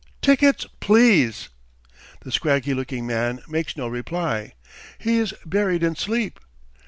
"Tickets, please!" The scraggy looking man makes no reply. He is buried in sleep.